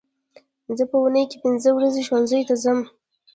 زه په اونۍ کې پینځه ورځې ښوونځي ته ځم